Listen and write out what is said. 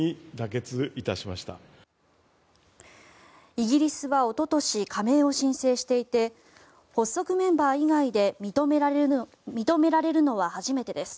イギリスはおととし加盟を申請していて発足メンバー以外で認められるのは初めてです。